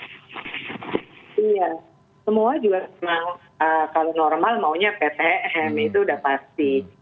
iya semua juga memang kalau normal maunya ptm itu sudah pasti